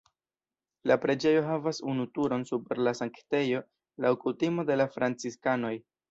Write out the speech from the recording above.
La preĝejo havas unu turon super la sanktejo laŭ kutimo de la franciskanoj.